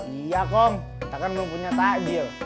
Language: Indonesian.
iya kong kita kan mau punya takjil